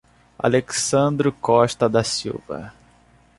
Alexsandro Costa da Silva